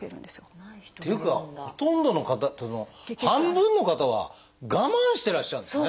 っていうかほとんどの方っていうのは半分の方は我慢してらっしゃるんですね。